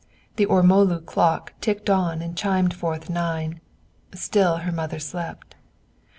The ormolu clock ticked on and chimed forth nine. Still her mother slept.